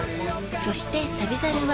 そして『旅猿』は